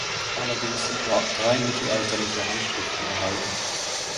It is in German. Allerdings sind nur drei mittelalterliche Handschriften erhalten.